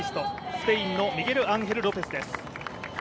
スペインのミゲルアンヘル・ロペスです。